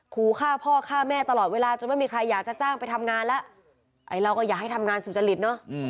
ขู่ฆ่าพ่อฆ่าแม่ตลอดเวลาจนไม่มีใครอยากจะจ้างไปทำงานแล้วไอ้เราก็อยากให้ทำงานสุจริตเนอะ